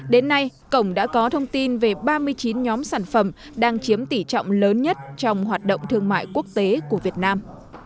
đến nay cổng đã có thông tin về ba mươi chín nhóm sản phẩm đang chiếm tỷ trọng lớn nhất trong hoạt động thương mại quốc tế của việt nam